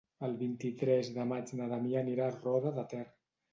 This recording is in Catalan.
El vint-i-tres de maig na Damià anirà a Roda de Ter.